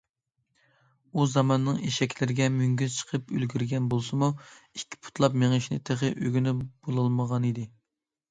ئۇ زاماننىڭ ئېشەكلىرىگە مۈڭگۈز چىقىپ ئۈلگۈرگەن بولسىمۇ، ئىككى پۇتلاپ مېڭىشنى تېخى ئۆگىنىپ بولالمىغانىدى.